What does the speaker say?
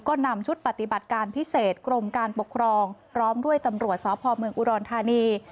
ก็นำชุดปฏิบัติการพิเศษกรมการปกครองพร้อมด้วยตำรวจสพเมืองอุดรธานี